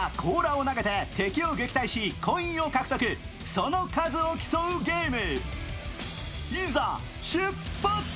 その数を競うゲーム。